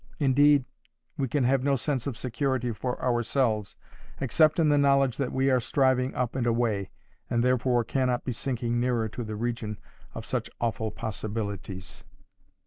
Indeed we can have no sense of security for ourselves except in the knowledge that we are striving up and away, and therefore cannot be sinking nearer to the region of such awful possibilities.